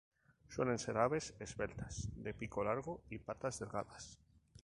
Suelen ser aves esbeltas, de pico largo y patas delgadas.